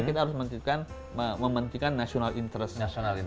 kita harus mementingkan national interest